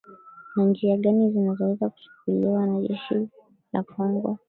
na njia gani zinazoweza kuchukuliwa na jeshi la kongo